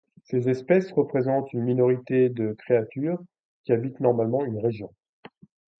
Ces espèces représentent une minorité des créatures qui habitent normalement une région.